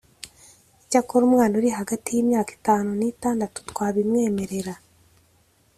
icyakora umwana uri hagati y imyaka itanu ni itandatu twabimwemerera